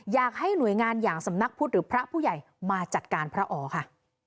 อยากให้หน่วยงานอย่างสำนักพุทธหรือพระผู้ใหญ่มาจัดการพระอ๋อค่ะ